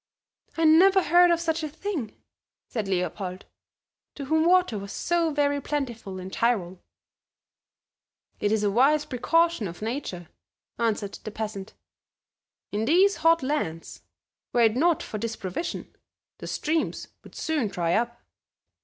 "I never heard of such a thing," said Leopold, to whom water was so very plentiful in Tyrol. "It is a wise precaution of Nature," answered the peasant. "In these hot lands, were it not for this provision, the streams would soon dry up."